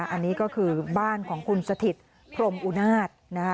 อันนี้ก็คือบ้านของคุณสถิตพรมอุนาศ